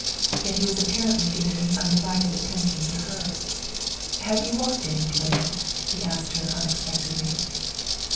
Yet he was apparently giving his undivided attention to her. "Have you walked any to day?" he asked her unexpectedly.